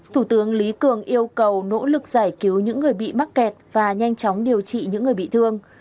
thủ tướng lý cường yêu cầu nỗ lực giải cứu những người bị mắc kẹt và nhanh chóng điều trị những người bị thương